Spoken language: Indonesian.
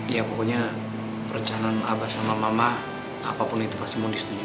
ya pokoknya perencanaan abah sama mama apapun itu pasti mau disetujui